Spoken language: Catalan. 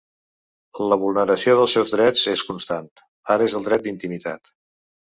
La vulneració dels seus drets és constant, ara és el dret d’intimitat.